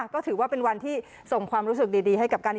ก็ถือว่าเป็นวันที่ส่งความรู้สึกดีให้กับการนี้